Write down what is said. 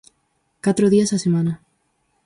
Catro días á semana.